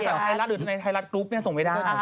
อำรุษธรรมไทยรัฐอื่นในไทยรัฐกรุ๊ปนี่ส่งไม่ได้